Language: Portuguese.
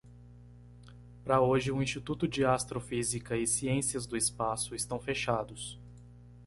Para hoje, o Instituto de Astrofísica e Ciências do Espaço, estão fechados.